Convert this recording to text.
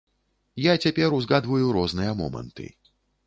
Я цяпер узгадваю розныя моманты.